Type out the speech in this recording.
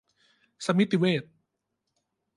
สมิติเวช